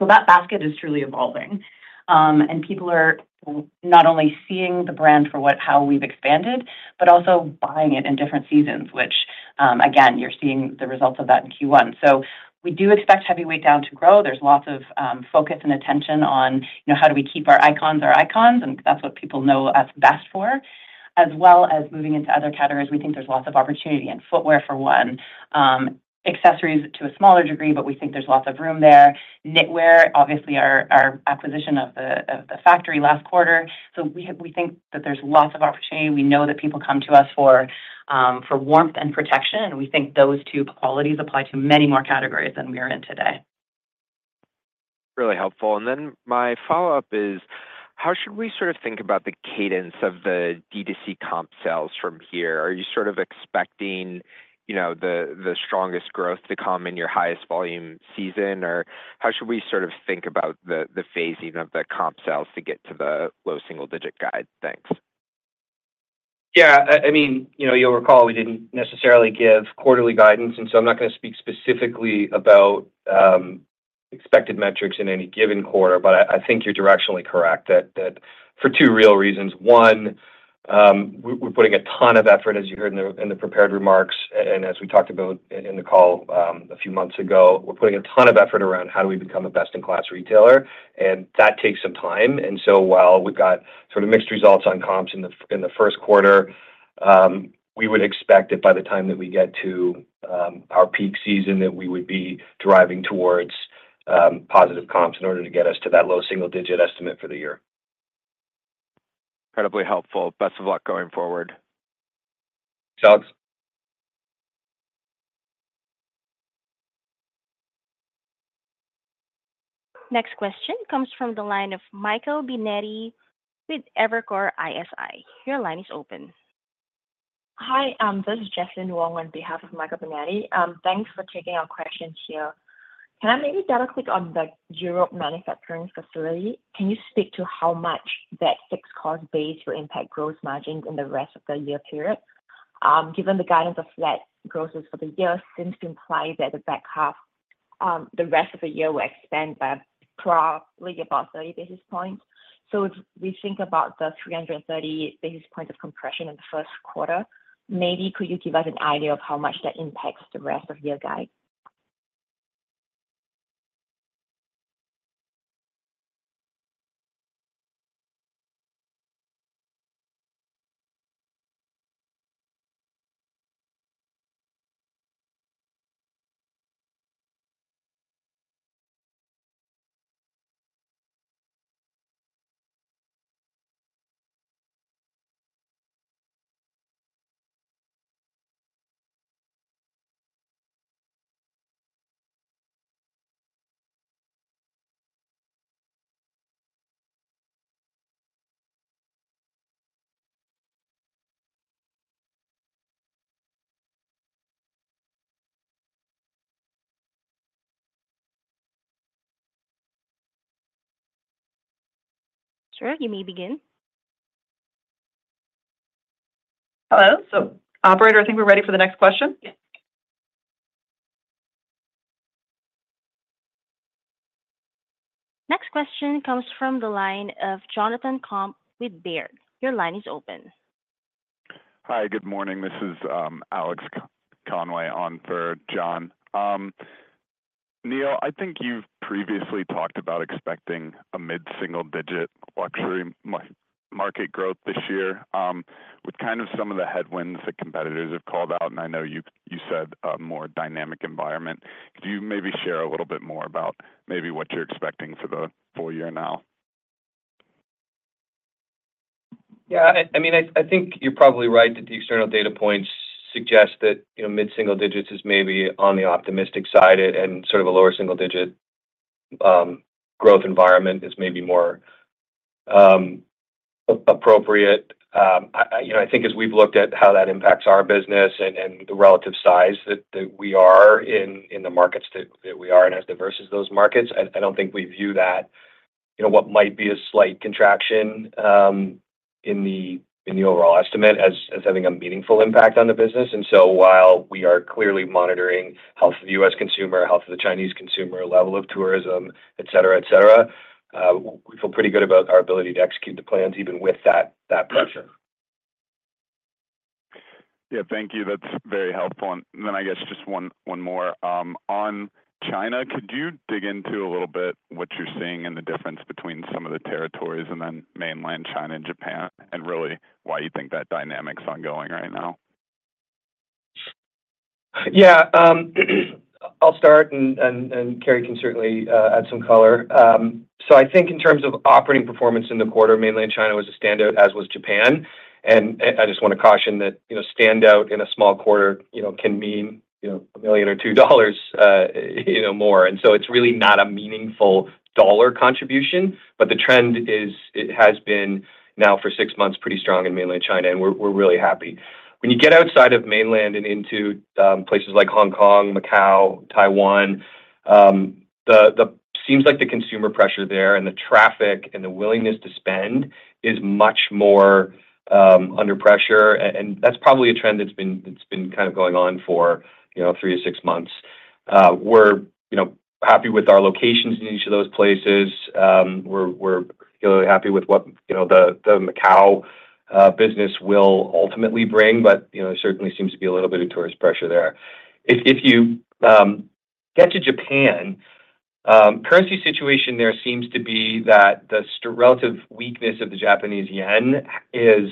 So that basket is truly evolving. People are not only seeing the brand for how we've expanded, but also buying it in different seasons, which, again, you're seeing the results of that in Q1. We do expect heavyweight down to grow. There's lots of focus and attention on how do we keep our icons our icons, and that's what people know us best for. As well as moving into Other categories, we think there's lots of opportunity in footwear for one, accessories to a smaller degree, but we think there's lots of room there. Knitwear, obviously, our acquisition of the factory last quarter. We think that there's lots of opportunity. We know that people come to us for warmth and protection. We think those two qualities apply to many more categories than we are in today. Really helpful. And then my follow-up is, how should we sort of think about the cadence of the DTC comp sales from here? Are you sort of expecting the strongest growth to come in your highest volume season? Or how should we sort of think about the phasing of the comp sales to get to the low single-digit guide? Thanks. Yeah. I mean, you'll recall we didn't necessarily give quarterly guidance. And so I'm not going to speak specifically about expected metrics in any given quarter, but I think you're directionally correct for two real reasons. One, we're putting a ton of effort, as you heard in the prepared remarks, and as we talked about in the call a few months ago, we're putting a ton of effort around how do we become a best-in-class retailer. That takes some time. And so while we've got sort of mixed results on comps in the first quarter, we would expect that by the time that we get to our peak season that we would be driving towards positive comps in order to get us to that low single-digit estimate for the year. Incredibly helpful. Best of luck going forward. Thanks, Alex. Next question comes from the line of Michael Binetti with Evercore ISI. Your line is open. Hi. This is Jocelyn Wang on behalf of Michael Binetti. Thanks for taking our questions here. Can I maybe double-click on the Europe manufacturing facility? Can you speak to how much that fixed cost base will impact gross margins in the rest of the year period? Given the guidance of flat grosses for the year seems to imply that the rest of the year will expand by probably about 30 basis points. So if we think about the 330 basis points of compression in the first quarter, maybe could you give us an idea of how much that impacts the rest of your guide? Sure. You may begin. Hello. So, Operator, I think we're ready for the next question. Next question comes from the line of Jonathan Komp with Baird. Your line is open. Hi. Good morning. This is Alex Conway on for Jon. Neil, I think you've previously talked about expecting a mid-single-digit luxury market growth this year with kind of some of the headwinds that competitors have called out. And I know you said a more dynamic environment. Could you maybe share a little bit more about maybe what you're expecting for the full year now? Yeah.I mean, I think you're probably right that the external data points suggest that mid-single digits is maybe on the optimistic side, and sort of a lower single-digit growth environment is maybe more appropriate. I think as we've looked at how that impacts our business and the relative size that we are in the markets that we are in as diverse as those markets, I don't think we view that what might be a slight contraction in the overall estimate as having a meaningful impact on the business. And so while we are clearly monitoring health of the U.S. consumer, health of the Chinese consumer, level of tourism, etc., etc., we feel pretty good about our ability to execute the plans even with that pressure. Yeah. Thank you. That's very helpful. And then I guess just one more. On China, could you dig into a little bit what you're seeing in the difference between some of the territories and then Mainland China and Japan, and really why you think that dynamic's ongoing right now? Yeah. I'll start, and Carrie can certainly add some color. So I think in terms of operating performance in the quarter, Mainland China was a standout, as was Japan. And I just want to caution that standout in a small quarter can mean 1 million or 2 million dollars more. And so it's really not a meaningful dollar contribution, but the trend has been now for six months pretty strong in Mainland China, and we're really happy. When you get outside of mainland and into places like Hong Kong, Macau, Taiwan, it seems like the consumer pressure there and the traffic and the willingness to spend is much more under pressure. That's probably a trend that's been kind of going on for three to six months. We're happy with our locations in each of those places. We're particularly happy with what the Macau business will ultimately bring, but there certainly seems to be a little bit of tourist pressure there. If you get to Japan, the currency situation there seems to be that the relative weakness of the Japanese yen is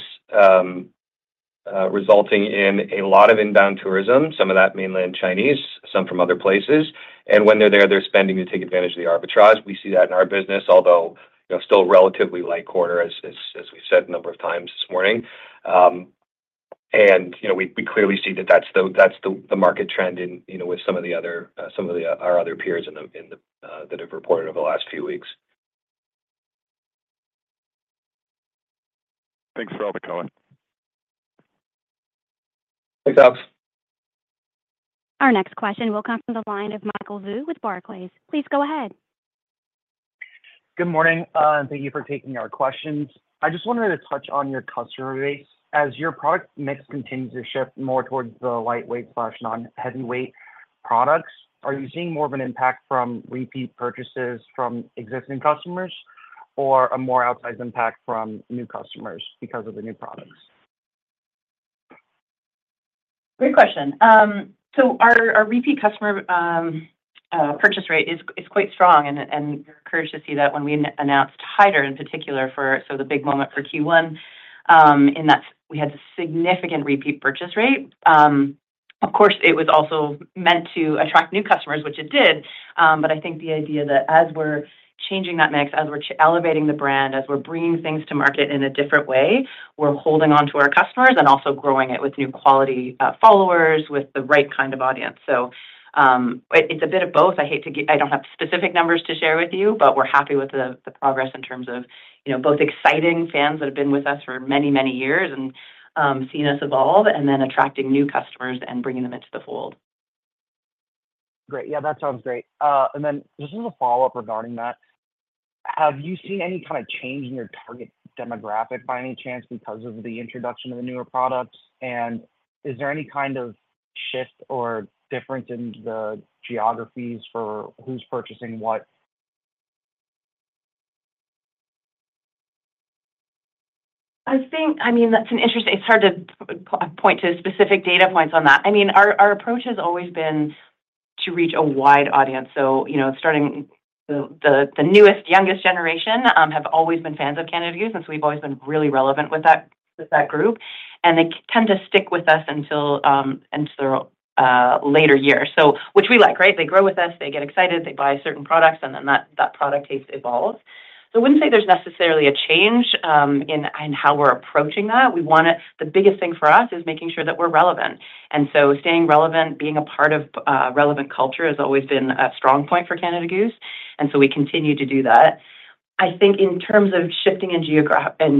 resulting in a lot of inbound tourism, some of that mainland Chinese, some from Other places. And when they're there, they're spending to take advantage of the arbitrage. We see that in our business, although still a relatively light quarter, as we've said a number of times this morning. And we clearly see that that's the market trend with some of our Other peers that have reported over the last few weeks. Thanks for all the color. Thanks, Alex. Our next question will come from the line of Michael Zhu with Barclays. Please go ahead. Good morning. Thank you for taking our questions. I just wanted to touch on your customer base. As your product mix continues to shift more towards the lightweight/non-heavyweight products, are you seeing more of an impact from repeat purchases from existing customers or a more outsized impact from new customers because of the new products? Great question. So our repeat customer purchase rate is quite strong, and we're encouraged to see that when we announced Haider in particular for the big moment for Q1, in that we had a significant repeat purchase rate. Of course, it was also meant to attract new customers, which it did. I think the idea that as we're changing that mix, as we're elevating the brand, as we're bringing things to market in a different way, we're holding on to our customers and also growing it with new quality followers with the right kind of audience. It's a bit of both. I don't have specific numbers to share with you, but we're happy with the progress in terms of both exciting fans that have been with us for many, many years and seeing us evolve and then attracting new customers and bringing them into the fold. Great. Yeah, that sounds great. Then just as a follow-up regarding that, have you seen any kind of change in your target demographic by any chance because of the introduction of the newer products? And is there any kind of shift or difference in the geographies for who's purchasing what? I mean, that's an interesting, it's hard to point to specific data points on that. I mean, our approach has always been to reach a wide audience. So starting the newest, youngest generation have always been fans of Canada Goose, and so we've always been really relevant with that group. And they tend to stick with us until later years, which we like, right? They grow with us. They get excited. They buy certain products, and then that product taste evolves. So I wouldn't say there's necessarily a change in how we're approaching that. The biggest thing for us is making sure that we're relevant. And so staying relevant, being a part of relevant culture has always been a strong point for Canada Goose. And so we continue to do that. I think in terms of shifting in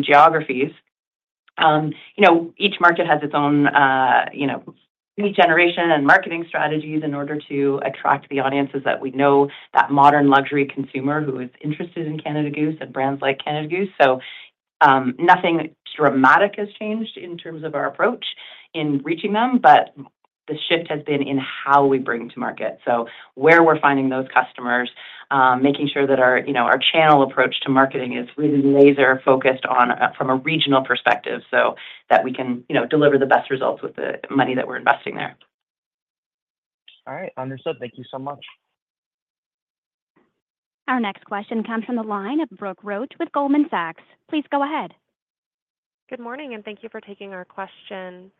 geographies, each market has its own regeneration and marketing strategies in order to attract the audiences that we know, that modern luxury consumer who is interested in Canada Goose and brands like Canada Goose. So nothing dramatic has changed in terms of our approach in reaching them, but the shift has been in how we bring to market. So where we're finding those customers, making sure that our channel approach to marketing is really laser-focused from a regional perspective so that we can deliver the best results with the money that we're investing there. All right. Understood. Thank you so much. Our next question comes from the line of Brooke Roach with Goldman Sachs. Please go ahead. Good morning, and thank you for taking our question.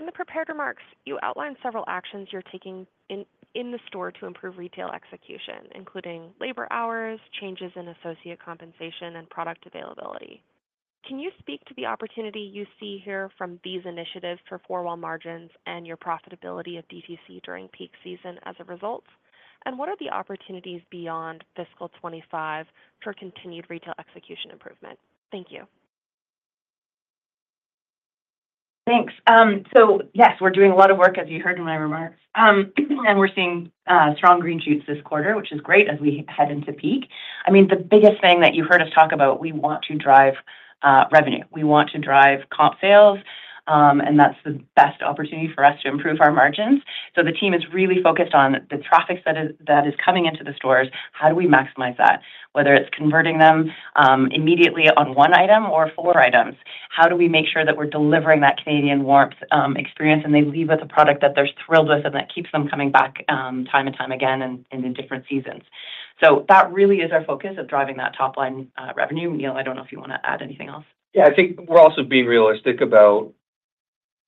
In the prepared remarks, you outlined several actions you're taking in the store to improve retail execution, including labor hours, changes in associate compensation, and product availability. Can you speak to the opportunity you see here from these initiatives for four-wall margins and your profitability of DTC during peak season as a result? And what are the opportunities beyond fiscal 2025 for continued retail execution improvement? Thank you. Thanks. So yes, we're doing a lot of work, as you heard in my remarks. And we're seeing strong green shoots this quarter, which is great as we head into peak. I mean, the biggest thing that you've heard us talk about, we want to drive revenue. We want to drive comp sales, and that's the best opportunity for us to improve our margins. So the team is really focused on the traffic that is coming into the stores. How do we maximize that? Whether it's converting them immediately on one item or four items, how do we make sure that we're delivering that Canadian warmth experience and they leave with a product that they're thrilled with and that keeps them coming back time and time again in different seasons? So that really is our focus of driving that top-line revenue. Neil, I don't know if you want to add anything else. Yeah. I think we're also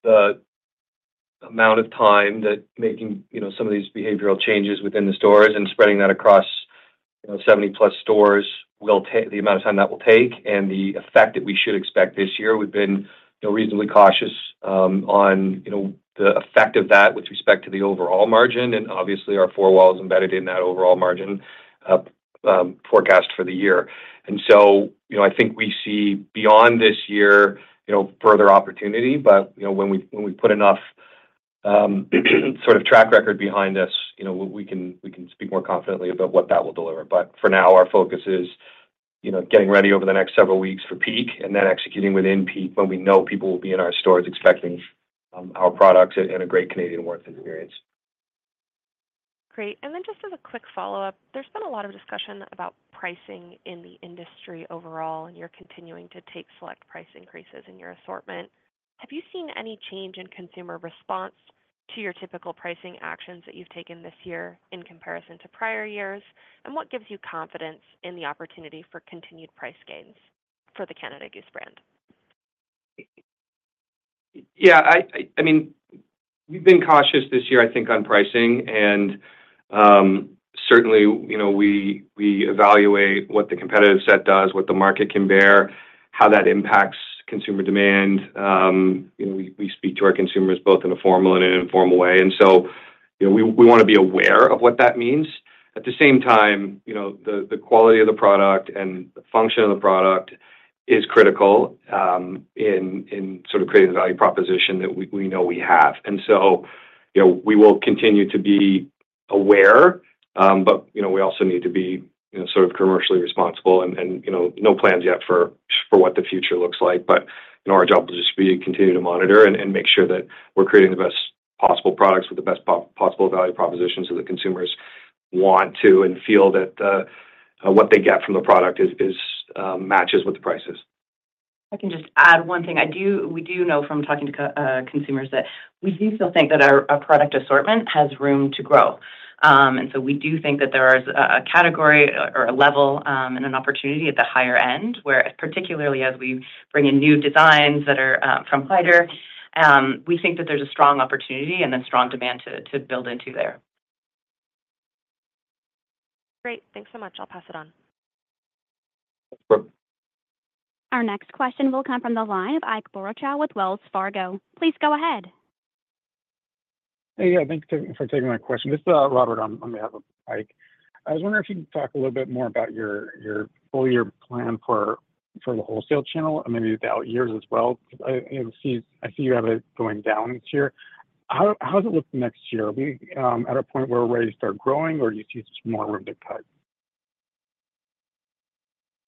being realistic about the amount of time that making some of these behavioral changes within the stores and spreading that across 70-plus stores will take the amount of time that will take and the effect that we should expect this year. We've been reasonably cautious on the effect of that with respect to the overall margin, and obviously, our four-wall is embedded in that overall margin forecast for the year. And so I think we see beyond this year further opportunity, but when we put enough sort of track record behind us, we can speak more confidently about what that will deliver. But for now, our focus is getting ready over the next several weeks for peak and then executing within peak when we know people will be in our stores expecting our products and a great Canadian warmth experience. Great. And then just as a quick follow-up, there's been a lot of discussion about pricing in the industry overall, and you're continuing to take select price increases in your assortment. Have you seen any change in consumer response to your typical pricing actions that you've taken this year in comparison to prior years? And what gives you confidence in the opportunity for continued price gains for the Canada Goose brand? Yeah.I mean, we've been cautious this year, I think, on pricing. And certainly, we evaluate what the competitive set does, what the market can bear, how that impacts consumer demand. We speak to our consumers both in a formal and an informal way. And so we want to be aware of what that means. At the same time, the quality of the product and the function of the product is critical in sort of creating the value proposition that we know we have. And so we will continue to be aware, but we also need to be sort of commercially responsible. No plans yet for what the future looks like, but our job will just be to continue to monitor and make sure that we're creating the best possible products with the best possible value proposition so that consumers want to and feel that what they get from the product matches what the price is. I can just add one thing. We do know from talking to consumers that we do still think that our product assortment has room to grow. And so we do think that there is a category or a level and an opportunity at the higher end, where particularly as we bring in new designs that are from Haider, we think that there's a strong opportunity and then strong demand to build into there. Great. Thanks so much. I'll pass it on. Our next question will come from the line of Ike Boruchow with Wells Fargo. Please go ahead. Hey, yeah. Thanks for taking my question. This is Robert on behalf of Ike. I was wondering if you could talk a little bit more about your full-year plan for the wholesale channel, maybe the out years as well. I see you have it going down this year. How does it look next year? Are we at a point where we're ready to start growing, or do you see just more room to cut?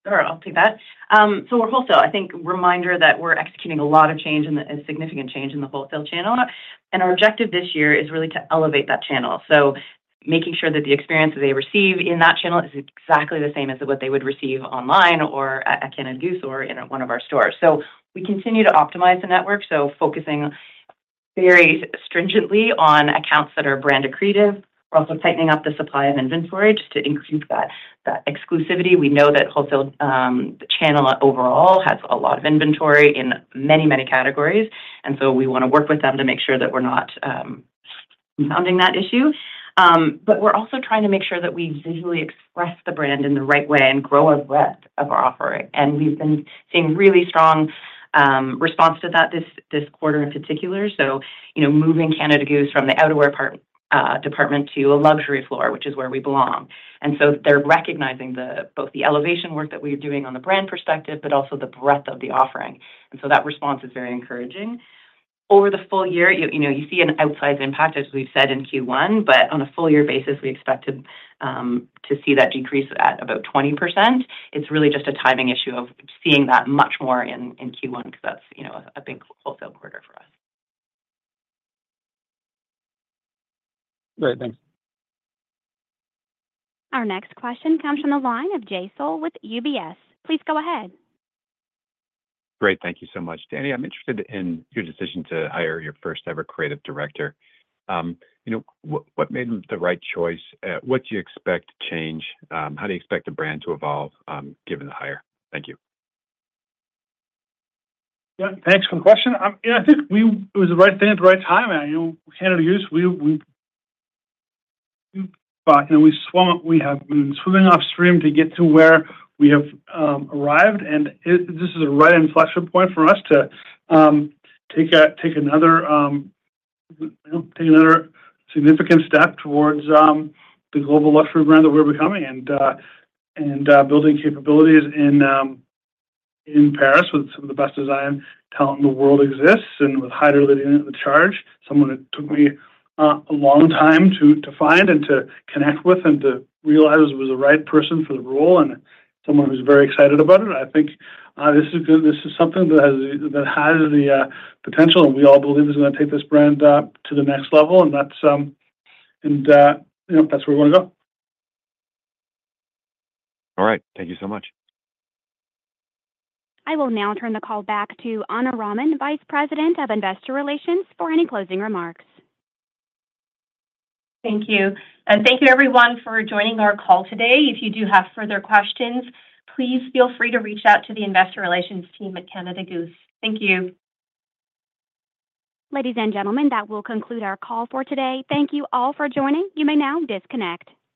Sure. I'll take that. So we're wholesale. I think, reminder that we're executing a lot of change and a significant change in the wholesale channel. Our objective this year is really to elevate that channel. So making sure that the experience that they receive in that channel is exactly the same as what they would receive online or at Canada Goose or in one of our stores. So we continue to optimize the network, so focusing very stringently on accounts that are brand accretive. We're also tightening up the supply of inventory just to increase that exclusivity. We know that wholesale channel overall has a lot of inventory in many, many categories. And so we want to work with them to make sure that we're not compounding that issue. But we're also trying to make sure that we visually express the brand in the right way and grow our breadth of our offering. And we've been seeing really strong response to that this quarter in particular. So moving Canada Goose from the outerwear department to a luxury floor, which is where we belong. And so they're recognizing both the elevation work that we're doing on the brand perspective, but also the breadth of the offering. And so that response is very encouraging. Over the full year, you see an outsized impact, as we've said in Q1, but on a full-year basis, we expect to see that decrease at about 20%. It's really just a timing issue of seeing that much more in Q1 because that's a big wholesale quarter for us. Great. Thanks. Our next question comes from the line of Jay Sole with UBS. Please go ahead. Great. Thank you so much, Dani. I'm interested in your decision to hire your first-ever creative director. What made the right choice? What do you expect to change? How do you expect the brand to evolve given the hire? Thank you. Yeah. Thanks for the question. I think it was the right thing at the right time. Canada Goose, we have been swimming upstream to get to where we have arrived. And this is a right inflection point for us to take another significant step towards the global luxury brand that we're becoming and building capabilities in Paris with some of the best design talent in the world exists, and with Haider leading the charge. Someone it took me a long time to find and to connect with and to realize it was the right person for the role and someone who's very excited about it. I think this is something that has the potential, and we all believe it's going to take this brand to the next level. And that's where we want to go. All right. Thank you so much. I will now turn the call back to Ana Raman, Vice President of Investor Relations, for any closing remarks. Thank you. Thank you, everyone, for joining our call today. If you do have further questions, please feel free to reach out to the Investor Relations team at Canada Goose. Thank you. Ladies and gentlemen, that will conclude our call for today. Thank you all for joining. You may now disconnect.